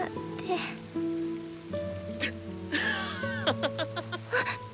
ハハハハハハッ！